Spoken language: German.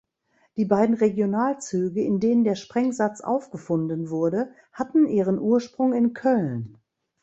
Die beiden Regionalzüge, in denen der Sprengsatz aufgefunden wurde, hatten ihren Ursprung in Köln.